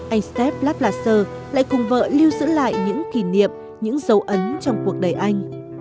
anh steph laplace lại cùng vợ lưu giữ lại những kỷ niệm những dấu ấn trong cuộc đời anh